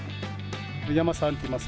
山さんっていいます。